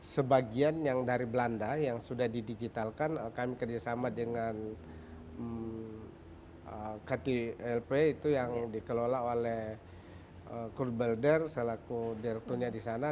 sebagian yang dari belanda yang sudah didigitalkan kami kerjasama dengan ktlp itu yang dikelola oleh kurbulder selaku direkturnya di sana